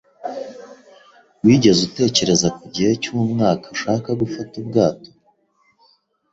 Wigeze utekereza ku gihe cyumwaka ushaka gufata ubwato?